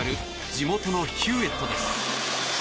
地元のヒューエットです。